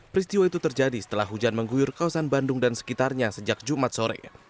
peristiwa itu terjadi setelah hujan mengguyur kawasan bandung dan sekitarnya sejak jumat sore